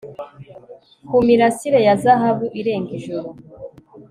kumirasire ya zahabu irenga ijoro